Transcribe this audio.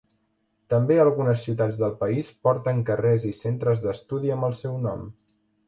També algunes ciutats del país porten carrers i centres d'estudi amb el seu nom.